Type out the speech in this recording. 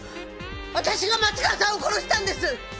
私が松川さんを殺したんです！